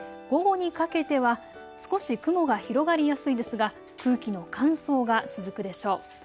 午後にかけては少し雲が広がりやすいですが空気の乾燥が続くでしょう。